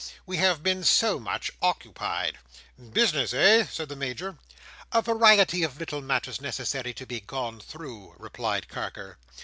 "We have been so much occupied." "Business, eh?" said the Major. "A variety of little matters necessary to be gone through," replied Carker.